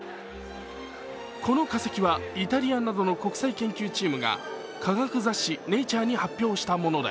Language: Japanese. この化石はイタリアなどの国際研究チームが科学雑誌「ネイチャー」に発表したもので、